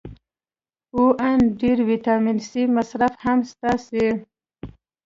او ان ډېر ویټامین سي مصرف هم ستاسې